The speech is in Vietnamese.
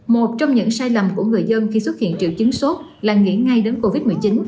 một trong những sai lầm của người dân khi xuất hiện triệu chứng sốt là nghĩ ngay đến covid một mươi chín